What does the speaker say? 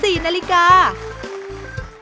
กินประชดอากาศร้อนกับปาร์ตี้ช็อกโกแลต๒๐๑๖